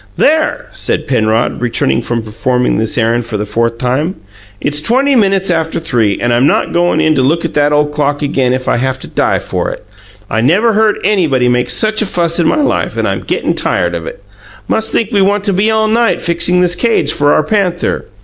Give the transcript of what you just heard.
"There!" said Penrod, returning from performing this errand for the fourth time. "It's twenty minutes after three, and I'm not goin' in to look at that ole clock again if I haf to die for it! I never heard anybody make such a fuss in my life, and I'm gettin' tired of it. Must think we want to be all night fixin' this cage for our panther!